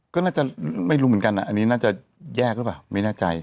ก็น่าจะไม่รู้เหมือนกันอันนี้น่าจะแยกหรือเปล่าไม่แน่ใจ